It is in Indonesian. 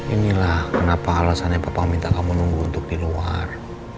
inilah kenapa alasannya papa minta kamu nunggu untuk di luar